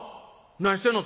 何してんの？